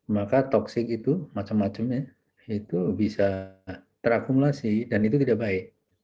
maka toxic itu macam macamnya itu bisa terakumulasi dan itu tidak baik